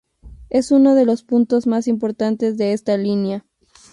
Es uno de los puntos más importantes de esta línea.